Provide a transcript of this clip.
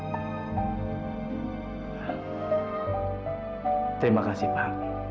pak terima kasih pak